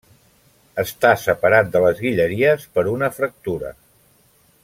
Està separat de les Guilleries per una fractura.